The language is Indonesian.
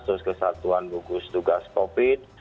terus kesatuan gugus tugas covid